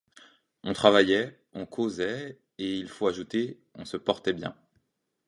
On travaillait, on causait, et, il faut ajouter, on se portait bien.